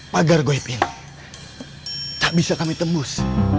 pagar goib ini tak bisa kami tembus